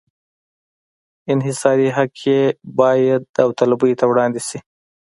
انحصاري حق یې باید داوطلبۍ ته وړاندې شي.